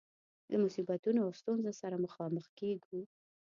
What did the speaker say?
له مصیبتونو او ستونزو سره مخامخ کيږو.